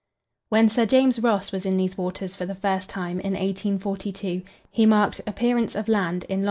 When Sir James Ross was in these waters for the first time, in 1842, he marked "Appearance of land" in long.